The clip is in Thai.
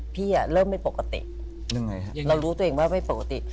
พี่เริ่มไม่ปกติยังไงฮะเรารู้ตัวเองว่าไม่ปกติ